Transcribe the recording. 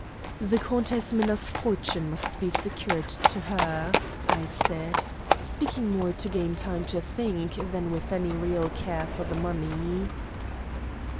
"The Countess Minna's fortune must be secured to her," I said, speaking more to gain time to think than with any real care for the money.